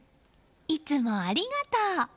いつもありがとう！